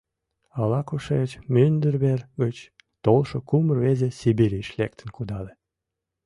Ала-кушеч мӱндыр вер гыч толшо кум рвезе Сибирьыш лектын кудале.